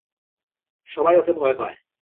সবাই ওকে ভয় পায়।